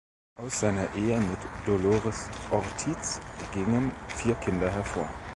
Aus seiner Ehe mit Dolores Ortiz gingen vier Kinder hervor.